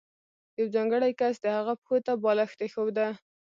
یو ځانګړی کس د هغه پښو ته بالښت ایښوده.